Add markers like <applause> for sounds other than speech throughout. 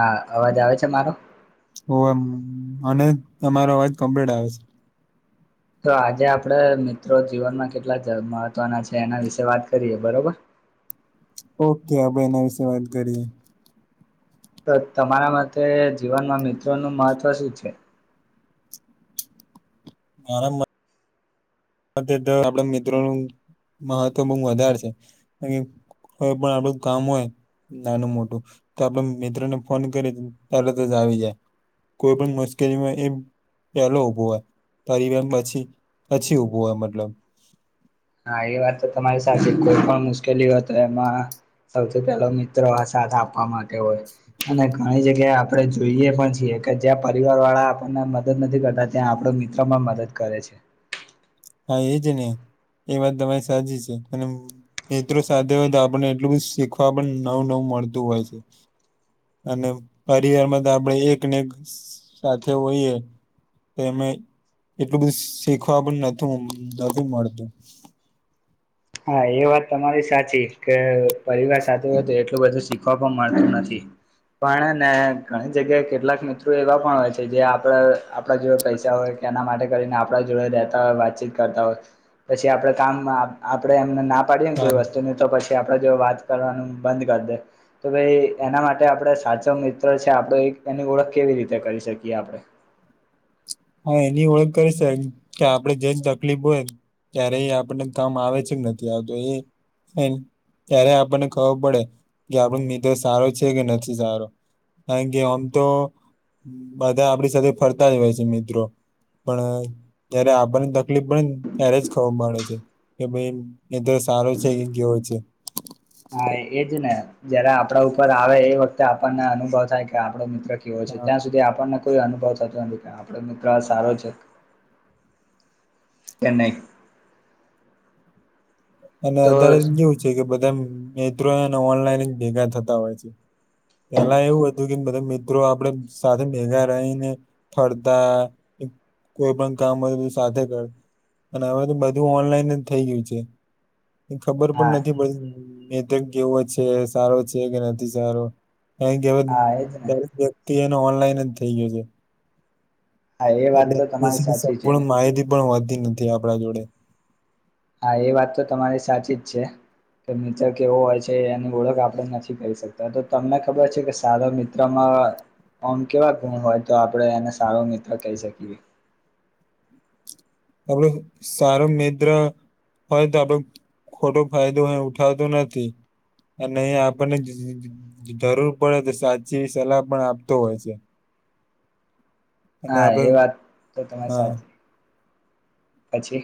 હા અવાજ આવે છે મારો. ઓ અને તમારો અવાજ કમ્પ્લીટ આવે છે. તો આજે આપડે મિત્રો જીવનમાં કેટલા મહત્વના છે એના વિશે વાત કરીએ બરોબર? <inaudible> ઓકે આપણે એના વિશે વાત કરીએ. તો તમારા માટે જીવનમાં મિત્રોનું મહત્ત્વ શું છે? મારા મ સાથે તો આપણા મિત્રોનું મહત્વ બઉ વધારે છે કારણ કે હોય પણ આપણું કામ હોય નાનું મોટું તો આપણા મિત્રને ફોન કરીએ તો તરત જ આવી જાય. કોઈ પણ મુશ્કેલીમાં એમ પહેલો ઉભો હોય પરિવાર પછી પછી ઉભ હોવ મતલબ. હા એ વાત તો તમારી સાથે કોઈ પણ મુશ્કેલી હોય તો એમાં સૌથી પેલો મિત્રો આ સાથ આપવા માટે હોય અને ઘણી જગ્યા જેષઆપણે જોઈએ પણ છીએ કે જ્યાં પરિવારવાળા આપણને મદદ નથી કરતા ત્યાં આપણા મિત્રોમાં મદદ કરે છે. <inaudible> હા એજ ને એ વાત તમારી સાચી છે અને મિત્રો સાથે હોય તો આપણને એટલું શીખવા પણ નવું-નવું મળતું હોય છે. અને પરિવારમાં તો આપણે એકને એક સાથે હોઈએ તો એમે એટલું બધું શીખવા પણ નથુ નથી મળતું. હા એ વાત તમારી સાચી કે પરિવાર સાથે હોય તો એટલું બધું શીખવા પણ મલતું નથી. પણ હેને ઘણી જગ્યાએ કેટલાક મિત્રો એવા પણ હોય છે જે આપણે આપણા જેવા પૈસા હોય એના માટે કરીને આપણા જોડે રહેતા હોય વાતચીત કરતા હોય પછી આપણે કામ આપડે એમને ના પાડીએ ને કોઈ વસ્તુની તો પછી આપણા જોડે વાત કરવાનું બંધ કર દે તો ભઈ એના માટે આપણો સાચો મિત્ર છે આપડો એ એની ઓળખ કેવી રીતે કરી શકીએ આપણે? હા એની ઓળખ કરી છે એમ કે આપણે જે તકલીફ હોય ક્યારે એ આપણને કામ આવે છે કે નથી આવતો એ ત્યારે આપણને ખબર પડે કે આપણો મિત્ર સારો છે કે નથી સારો. કારણ કે આમ તો બધા આપડી સાથે ફરતા જ હોય છે મિત્રો. પણ જયારે આપણને તકલીફ પણ ત્યારે જ ખબર પડે છે કે સારો છે કે કેવો છે. હા એજ ને જયારે આપણા ઉપર આવે એ વખતે આપણને અનુભવ થાય કે આપણો મિત્ર કેવો છે હ ત્યાં સુધી આપણને કોઈ અનુભવ થતો નથી કે આપણો મિત્ર આ સારો છે. ચેન્નાઈ. અને અત્યારે કેવું છે કે બધા મિત્રો હેને ઓનલાઈન જ ભેગા થતા હોય છે. પેહલા એવું હતું કે બ મિત્રો આપણે સાથે ભેગા રહીને ફરતાં કોઈ પણ કામ હોય તો સાથે કર અને હવે તો બધું ઓનલાઈન જ થઈ ગયું છે. ખબર પણ હા નથી પડતી મિત્ર કેવો છે સારો છે કે નથી સારો. કારણ કે હવે હા એજ ને દરેક વ્યક્તિ હેને ઓનલાઈન જ થઈ ગયો છે. હા એ વાત એટલે તો તમારી એની સાચી છે સંપૂર્ણ માહિતી પણ હોતી નથી આપણા જોડે. હા એ વાત તો તમારી સાચી જ છે. કે મિત્ર કેવો હોય છે એની ઓળખ આપણે નથી કરી શકતા તો તમને ખબર છે કે સારા મિત્રમાં અ અમ કેવા ગુણ હોય તો આપણે એને સારો મિત્ર કહી શકીએ? <inaudible> આપણે સારો મિત્ર હોય તો આપણે ખોટો ફાયદો એ ઉઠાવતો નથી. અને આપણને જ જરૂર પડે તો સાચી સલાહ પણ આપતો હોય છે. <inaudible> હા આપડે એ વાત તો તમારી સાચી પછી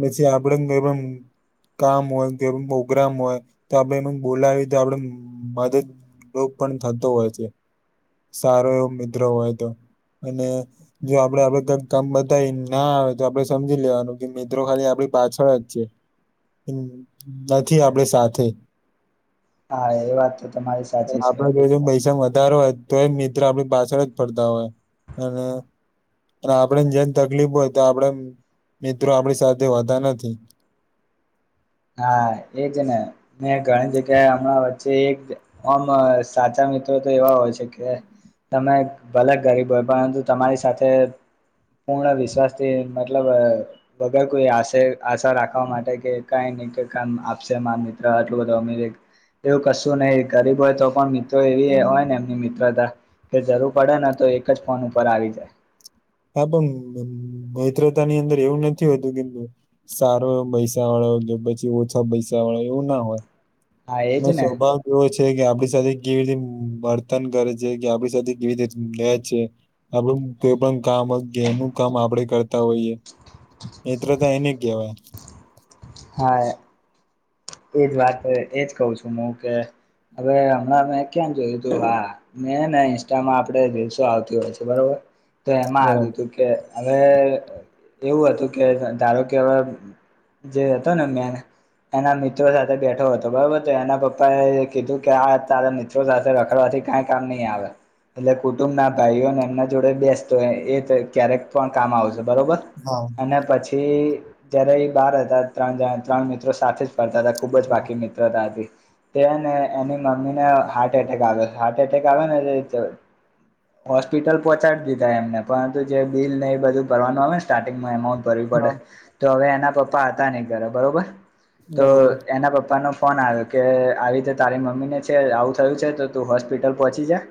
પછી આપડે <unintelligible> કામ હોય કે પ્રોગ્રામ હોય તો આપણે એ બોલાવી તો આપડે મદદ <unintelligible> પણ થતો હોય છે. સારો એવો મિત્રો હોય તો. અને જો આપણે, આપણે કઈક કામ બતાવી ના આવે તો આપણે સમજી લેવાનું. મિત્રો ખાલી આપણી પાછળ જ છે. હમ્મ નથી આપણી સાથે હા એ વાત તો તમારી સાચી છે આપણે <unintelligible> દર વખતે <unintelligible> મિત્ર આપણી પાછળ જ ફરતા હોય અને અને આપણને જેને તકલીફ હોય, તો આપણે મિત્રો આપણી સાથે હોતા નથી. હા, એજ ને મે ઘણી જગ્યાએ હમણાં વચ્ચે એકમ સાચા મિત્રો તો એવા હોય છે કે તમે ભલે ગરીબ હોય પરંતુ તમારી સાથે પૂર્ણ વિશ્વાસથી મતલબ વગર કોઈ આશે, આશા રાખવા માટે કે કઈકનેક કામ આપશે મારા મિત્ર આટલું બધું અમીર એવું કશું નહિ. ગરીબ હોય તો પણ મિત્રો એવી હોયને એમની મિત્રતા કે જરૂર પડે ન તો તો એક જ ફોન ઉપર આવી જાય. હા, પણ મિત્રતાની અંદર એવું નથી હોતું, કે સારો પૈસાવાળો <unintelligible> પછી ઓછા પૈસાવાળો એવું ના હોય હા એનો એજ ને સ્વભાવ એવો છે કે આપણે સાથે કેવી રીતે વર્તન કરે છે કે આપણી સાથે કેવી રીતે રે છે. આપણું કોઈ પણ કામ જેનું કામ આપણે કરતા હોઈએ. મિત્રો તો એને કહેવાય. હા, એજ વાત એજ કહું છું. હું કે હવે હમણાં મેં ક્યાક જોયુંતું. હા, મે ને ઇન્સ્ટામાં આપે રીલ્સો આવતી હોય છે બરોબર. તો એમાં આવ્યું બરાબર હતું કે હવે એવું હતું કે ધારો કેવા જે હતો ને મેન એના મિત્રો સાથે બેઠો હતો બરોબર. તો એના પપ્પા એ કીધું કે આ તારા મિત્રો સાથે રખડવાથી કઈ કામ નહી આવે. એટલે કુટુંબના ભાઈઓને એમના જોડે બેસતો એ ક્યારેક પણ કામ આવશે. બરોબર. હા અને પછી જયારે એ બાહર હતા ત્રણ ત્રણ મિત્રો સાથે જ કરતા હતા ખુબ જ પાકી મિત્રતા હતી. તે હે ને એની મમ્મીને હાર્ટ એટેક આવે છે હાર્ટ એટેક આવે ને હોસ્પિટલ પોહોંચાડી દીધા એમને. પરંતુ જે બિલને એ બધું ભરવાનું આવેને સ્ટાર્ટિંગમાં એમાઉન્ટ ભરવી પડે. હા, તો હવે, એના પપ્પા હતા નહી ઘરે બરોબર. તો બરોબર એના પપ્પાનો ફોન આવ્યો કે આવી રીતે તારી મમ્મીને છે આવું થયું છે. તો તું હોસ્પિટલ પહોંચીજા.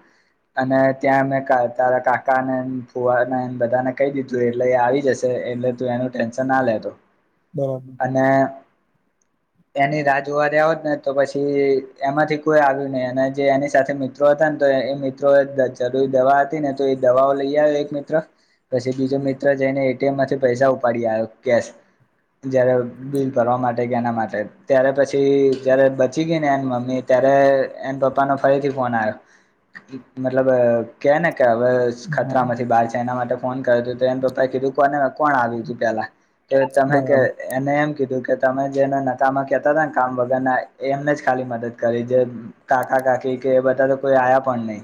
અને ત્યાં મેં તારા કાકાને, ફુવાને બધાને કહી દીધું. એટલે આવી જશે. એટલે તું એનું ટેન્શન ના લેતો બરાબર અને <inaudible> એની રાહ જોવા દેવા હોત ને તો પછી એમાંથી કોઈ આવ્યું નહી અને જે એની સાથે મિત્રો હતા ને તો એ મિત્રો જરૂરી દવા હતી ને તો એ દવાઓ લઈ આવ્યો એક મિત્ર. પછી બીજો મિત્ર- અને એટીએમમાંથી પૈસા ઉપાડી લાવ્યો કેશ. જયારે બિલ ભરવા માટે- એના માટે ત્યારે પછી જયારે બચી ગઈને એની મમ્મી ત્યારે એ પપ્પા ફરીથી ફોન આવ્યો. મતલબ કે ને કે હવે, હા ખતરામાંથી બાર છે. એના માટે ફોન <inaudible> એને પપા એ કીધું કોને કોણ આવ્યું તું પેલા કે તમે કે બરાબર એને એમ કીધું કે તમે જેને નકામાં કેતા હતાા ને કામ વગરના એમને જ ખાલી મદદ કરી જે કાકા-કાકી કે બધા તો કોઈ આ્યા પણ નહી.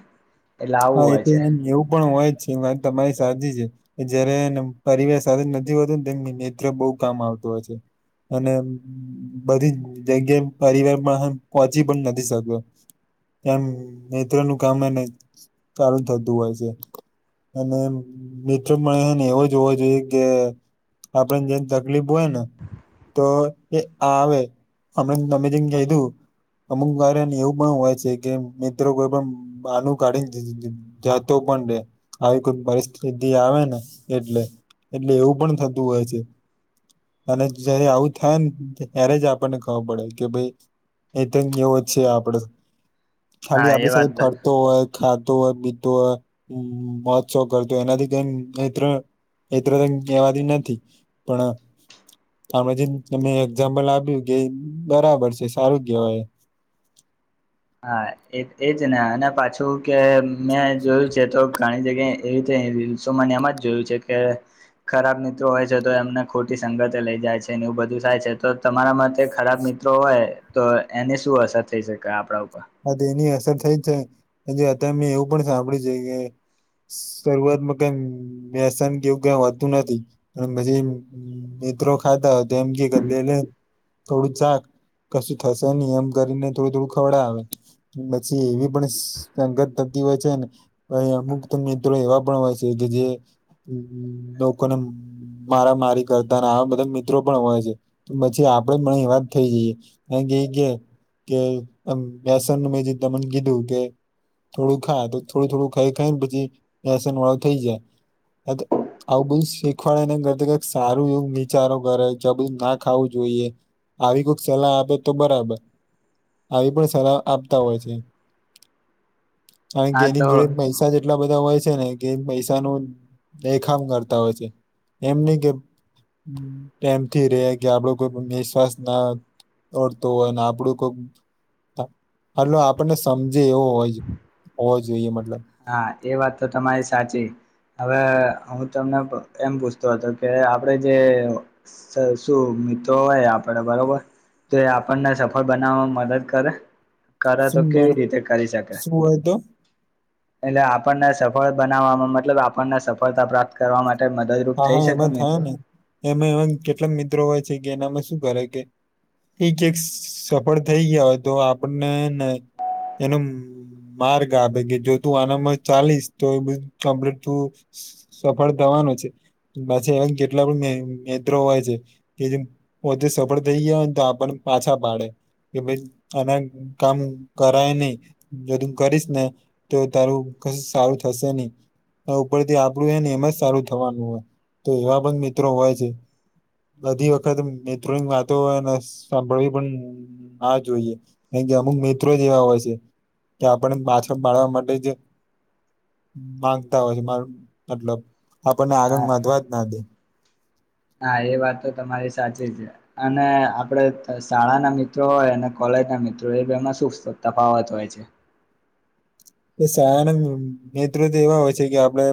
એટલે આવું હા એ હોય તો છે. એમ એવું પણ હોય. છી વાત તમારી સાચી છે કે જયારે પરિવાર સાથે નથી હોતોુ ને તારે મિત્ર <unintelligible> બહુ કામ આવત તો છે અને બધી જગ્યા પરિવારમાં પહોંચી પણ નથી શક્યો. એમ મિત્રનું કામ એને ચાલ <unintelligible> થતું હોય છે. અને મિત્રમણેને એવો જોવા જોઈએ કે આપડને જેને તકલીફ હોય ને તો એ આવે હમણા નમે દન કઈ દું અમુક કાર એવું પણ હોય છે કે મિત્રો કોઈ પણ બાનું કાઢી જતો પણ રે આવી કોઈ પરિસ્થિતિ આવે ને એટલે. એટલે એવું પણ થતું હોય છે. અને જયારે આવું થાય ને ત્યારે જ આપણને ખબર પડે કે ભાઈ એ તો એવો જ છે આપડો ખાલી હા એ આપડી સાથે વાત તો ફરતો હોય. ખાતો હોય પીતો હોય મહોત્સવ કરતો હોય એનાથી કઈ ત્ર એત્ર તો કવાતી નથી પણ આપણા જે તમે એક્ઝામ્પલ આપ્યું કે બરાબર છે સારું કેવાય એ <unintelligible> હા એ એજ ને અને પાછું કે મેં જોયું છે તો ઘણી જગ્યાએ એવી મન એમ જ જોયું છે કે ખરાબ મિત્રો હોય છે તો એમને ખોટી સંગતે લઇ જાય છે. એ બધું થાય છે તો તમારા માટે ખરાબ મિત્રો હોય તો એને શું અસર થઈ શકે આપણાર. આ તેની અસર થઈ છે પજ અત્યારે મેં એવું પણ સાંભળ્યું છે કે શરૂઆતમાં ક મેસાાન કેવું ક હોતું નથી અને પછી મિત્રો ખાતા હો તો એમ કે લે લ થોડું જક કશું થશે નહ એમ કરીને થોડું થોડું ખવડાવે. પછી એવી પણ સંગત થતી હોય છે ને પછ અમુક મિત્રો એવા પણ હોય. કે જે લોકોને મારા મારી કરતા આવા બધા મિત્રો પણ હોય છે પછી આપડે મને એ વાત થઈ જઈએ. એ ગ કે બેસન ન મેં જે દમણ કીધું કે થોડું ખા તો થોડું થોડું ખાઈ ખાઈને પછી આસન વાળું થઈ જાય. આવું બધું શીખવાડેને કર કક સારું એવું વિચારો કરે બધું ના ખાવું જોઈએ. આવી કોઈક સલાહ આપે તો બરાબર આવી પણ આપતા હોય છે અને હા તેની તો જોડે પૈસા જે એટલા બધા હોય છે ને કે પૈસા ન દેખામ કરતા હોય છે એમ ન કે એમથી રે કે આપડો કોઈ પણ નિશ્વાસ ના ઓર તો હોયને આપડું કોઈક એટ આપણને સમજે એવો હો હોવો જોઈએ મતલબ હા એ વાત તો તમારી સાચી. હવે હું તમને એમ પૂછતો હતો કે આપડે જે શું મિત્રો હોય આપડ બરોબર તો એ આપણને સફળ બનાવવામાં મદદ કરે. કરે તો શું કેવી બણ- રીતે કરી શકે? શું હોય તો એટલે આપણને સફળ બનાવવામાં મતલબ આપણને સફળતા પ્રાપ્ત કરવા માટે મદદરૂપ હા થઈ હા શકે એમાં થયા મિત્રો ને એમાં એમાં કેટલાક મિત્રો હોય છે કે એનામાં શું કરે કે. એક એક સફળ થઈ ગયા હોય તો આપને ને એનો માર્ગ આપે કે જો તું આનામ ચાલીસ તો એ બધ કમ્પ્લીટ તું સફળ થવાનું છે. પાછી એ કેટલા પણ મિત્રો હોય છે કે જે પોતે સફળ થઇ ગયા તો. પણ પાછા પાડે. કે ભાઈ આના કામ કરાય નહી જો તું કરીશ ને તો તારું. સારું થશે નહ ઉપર થી આપડું હ ને એમ જ સારું થવાનું. તો એવા પણ મિત્રો હોય છે. બધી વખત મત્ર્રોની વાતોયને સાંભળવી પણ ના જોઈએ. કે અમુક મિત્રો જે એવા હોય છે કે આપણને પાછા પાડવા માટે જ. માંગતા હોય છે માર મતલબ આપણને આગળ હા વધવા જ ના દે. હા એ વાત તો તમારી સાચી છે અને આપડે શાળાના મિત્રો હોય અને કોલેજ. મિત્રો એમાં સુતા ફાવત હોય છે. શાળાના નેતૃત્વ એવા હોય છે કે આપડે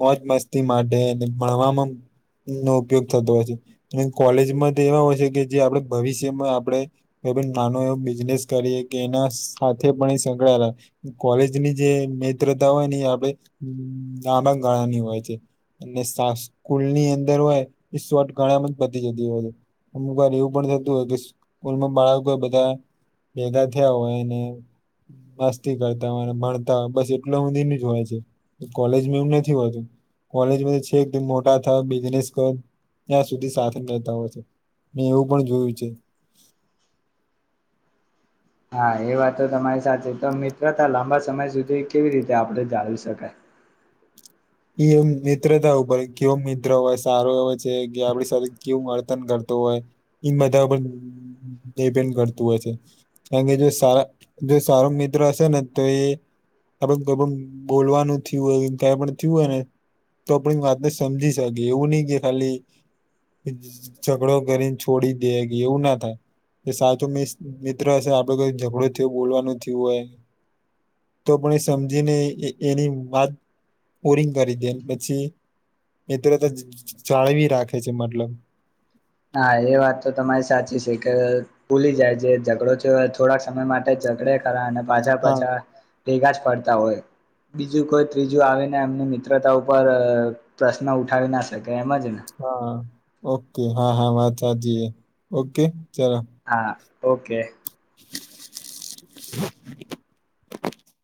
મોજ મસ્તી માટે ને ભણવામાં નો ઉપયોગ થતો હોય છે અને કોલેજમાં તો એવા હોય છે કે જે આપડે ભવિષ્યમાં આપડે નાનો એવો બિઝનેસ કરીએ કે એના સાથે પણ એ સંકળાયેલા કોલેજની જે મત્રતા હોય ને એ આપડે નાના ગાળાની હોય છે સ્કૂલની અંદર હોય એ શોટ ગાળામાં જ પતી જતી હોય અમુક વાર એવું પણ થતું હોય કે સ્કૂલમાં બાળકો બધા ભેગા થયા હોય ને મસ્ત તી કરતા ભણતા બસ એટલી હુધીનીજ હોય છે કોલેજમાં એવું નથી હોતું કોલેજ મા છે મોટા થાય બિઝનેસ કર ત્યાં સુધી સાથે રેતા હોય છે મેં એવું પણ કીધું છે હા એ વાત તો તમારી સાથે તો મિત્રતા લાંબા સમય સુધી કેવી રીતે આપડે જાળવી શકાય? એ એમ મિત્રતા ઉપર કેવ મિત્ર હોય સારો એ છે કે આપડી સાથે કેવું વર્તન કર તો હોય ઈ બધા બં ડિપેન્ડ કરતું હોય છે કારણ કે જો સારા જો સારો મિત્ર હશે ને તો એ આપ કોઈ પણ બોલવાનું થી હોય કા પણ થયું હોય ને તો આપણી વાતને સમજી શકી એવું ની કે ખાલી ઝઘડો કરીને છોડી દે કે એવું ના થાય એ સાચો મિત્ર હશે આપડે કઈ ઝઘડો થથયો બોલવાનું થયું હોય તો પણ એ સમજીને એની વાત ઓરિંગ કરી દે પછી નેતૃતા જાળવી રાખે છે મતલબ હા એ વાત તો તમારી સાચી છે કે ભૂલી જાય જે ઝઘડો છે થોડાક સમય માટે ચા ગડે ખરા અને પાછા હા પાછા ભેગા જ પડતા હોય બીજું કોઈ ત્રીજું આવીને એમને મિત્રતા ઉપર પ્રશ્ન ઉઠાવી ના શક એમજ ને હા ઓકે હા હા વાત હાચી છે ઓકે ચલો હા ઓકે <inaudible>